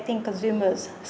vấn đề của họ